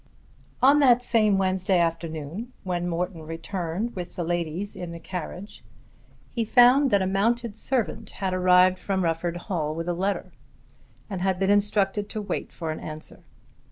On that same Wednesday afternoon when Morton returned with the ladies in the carriage he found that a mounted servant had arrived from Rufford Hall with a letter and had been instructed to wait for an answer.